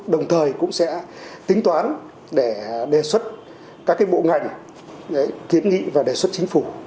đồng thời cũng sẽ tính toán để đề xuất các bộ ngành kiến nghị và đề xuất chính phủ